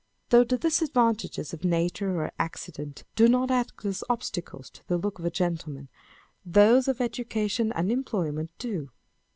* Though the disadvantages of nature or accident do not act as obstacles to the look of a gentleman, those of education and employment do.